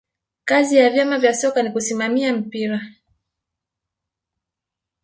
kazi ya vyama vya soka ni kusimamia mpira